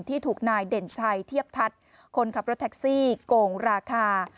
ที่ถูกนายเด่นชัยเทียบทัศน์คนขับรถแท็กซี่โกงราคา